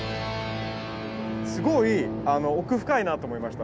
すごい奥深いなと思いました。